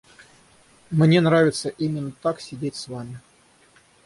Мне нравится именно так сидеть с вами.